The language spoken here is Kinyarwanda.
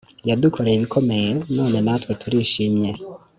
Yadukoreye ibikomeye none natwe turishimye